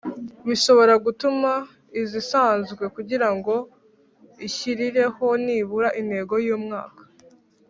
bishobora gutuma izisanzwe kugira ngo Ishyirireho nibura intego y umwaka